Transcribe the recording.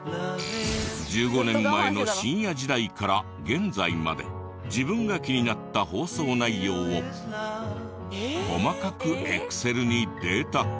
１５年前の深夜時代から現在まで自分が気になった放送内容を細かくエクセルにデータ化。